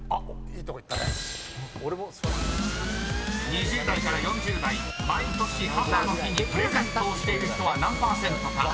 ［２０代から４０代毎年母の日にプレゼントをしている人は何％か］